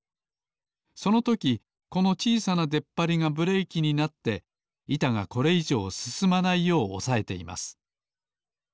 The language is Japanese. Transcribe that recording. そのときこのちいさなでっぱりがブレーキになっていたがこれいじょうすすまないようおさえています。